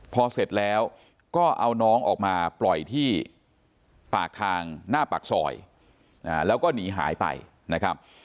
พอเสร็จแล้วก็เอาน้องออกมาปล่อยที่ปากทางหน้าปากซอยแล้วก็หนีหายไปนะครับ